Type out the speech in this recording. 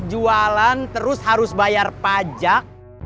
jualan terus harus bayar pajak